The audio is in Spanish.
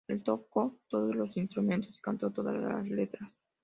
Él tocó todos los instrumentos y cantó todas las letras.